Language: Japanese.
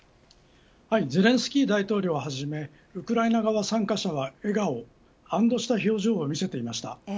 ゼレンスキー大統領をはじめウクライナ側参加者は、笑顔安堵した表情を見せていました。